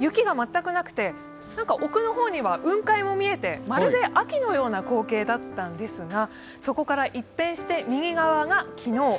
雪が全くなくて、奥の方には雲海も見えて、まるで秋のような光景だったんですが、そこから一変して右側が昨日。